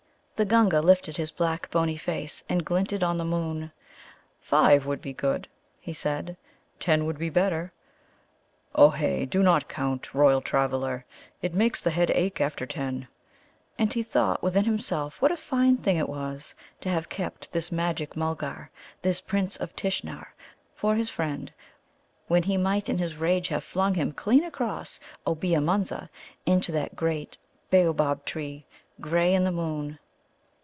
The Gunga lifted his black bony face, and glinted on the moon. "Five would be good," he said. "Ten would be better. Ohé, do not count, Royal Traveller. It makes the head ache after ten." And he thought within himself what a fine thing it was to have kept this Magic mulgar, this Prince of Tishnar, for his friend, when he might in his rage have flung him clean across Obea munza into that great Bōōbab tree grey in the moon.